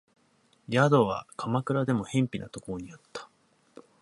宿は鎌倉でも辺鄙なところにあった